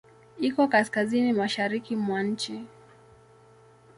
Iko Kaskazini mashariki mwa nchi.